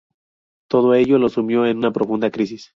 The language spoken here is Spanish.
Todo ello lo sumió en una profunda crisis.